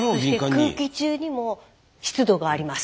空気中にも湿度があります。